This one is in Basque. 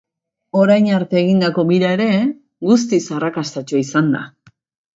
Orain arte egindako bira ere, guztiz arrakastatsua izan da.